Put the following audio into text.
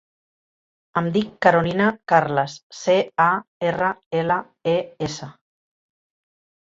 Em dic Carolina Carles: ce, a, erra, ela, e, essa.